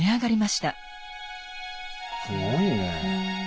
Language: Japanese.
すごいね。